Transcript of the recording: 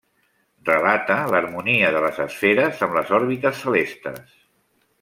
Relata l'harmonia de les esferes amb les òrbites celestes.